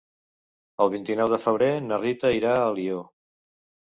El vint-i-nou de febrer na Rita irà a Alió.